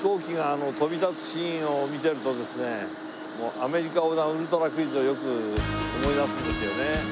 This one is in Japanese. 『アメリカ横断ウルトラクイズ』をよく思い出すんですよね。